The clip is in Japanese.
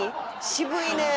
渋いねえ。